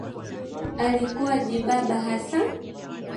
Alikuwa jibaba hasa